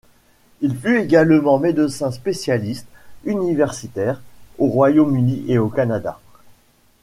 Il fut également médecin spécialiste, universitaire, au Royaume-Uni et au Canada.